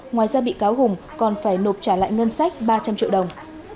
ngoài ra bị cáo hùng còn phải nộp trả lại ngân sách ba trăm linh triệu đồng